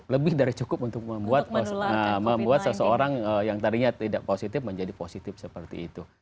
lebih dari cukup untuk membuat seseorang yang tadinya tidak positif menjadi positif seperti itu